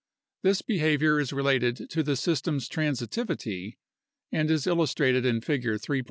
This behavior is related to the system's transitivity and is illustrated in Figure 3.